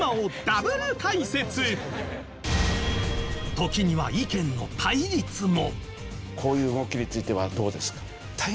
時には意見の対立も